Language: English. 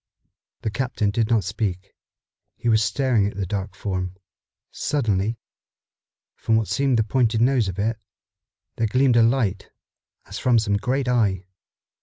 The captain did not speak. He was staring at the dark form. Suddenly, from what seemed the pointed nose of it, there gleamed a light, as from some great eye.